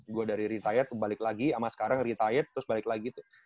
gue dari retired ke balik lagi sama sekarang retired terus balik lagi